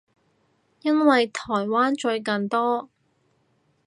因為台灣最近多